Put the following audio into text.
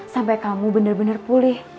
sampai kamu bener bener pulih